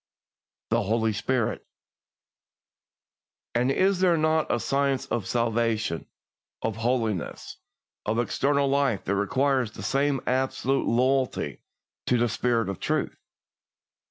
THE HOLY SPIRIT. And is there not a science of salvation, of holiness, of eternal life, that requires the same absolute loyalty to "the Spirit of Truth"?